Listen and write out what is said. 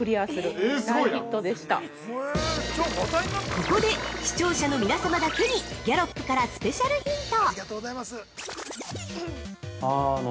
◆ここで、視聴者の皆様だけにギャロップからスペシャルヒント。